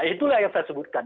itulah yang saya sebutkan